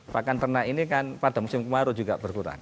pakan ternak ini kan pada musim kemarau juga berkurang